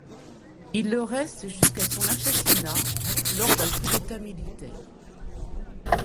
Il le reste jusqu'à son assassinnat le lors d'un coup d'État militaire.